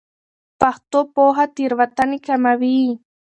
پښتو پوهه تېروتنې کموي.